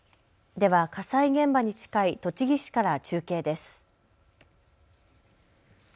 では火災現場に近い栃木市から中継です。